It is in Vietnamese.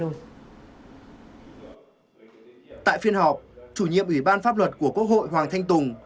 tại phiên họp chủ nhiệm ủy ban pháp luật của quốc hội hoàng thanh tùng